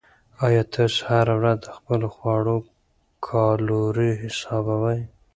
آیا تاسو هره ورځ د خپلو خواړو کالوري حسابوئ؟